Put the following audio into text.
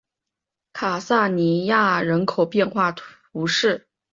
卡萨尼亚人口变化图示